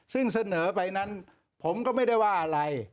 ซึ่งเสนอไปนั้นผมก็ไม่ได้ว่าอะไร